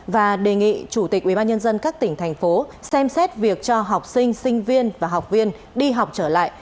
và đề nghị chủ tịch ubnd các tỉnh thành phố xem xét việc cho học sinh sinh viên và học viên đi học trở lại